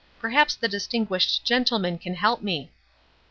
Perhaps the distinguished gentleman can help me."